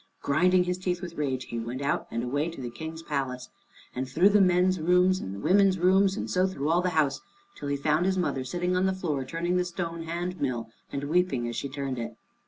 Grinding his teeth with rage, he went out, and away to the King's palace, and through the men's rooms and the women's rooms, and so through all the house, till he found his mother sitting on the floor turning the stone hand mill, and weeping as she turned it.